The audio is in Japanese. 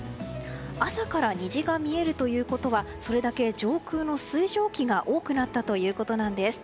朝から虹が見えるということはそれだけ上空の水蒸気が多くなったということです。